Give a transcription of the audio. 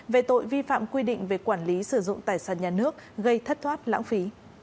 về tội vi phạm quy định về quản lý sử dụng tài sản nhà nước gây thất thoát lãng phí